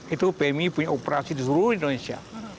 itu pmi punya operasi di seluruh indonesia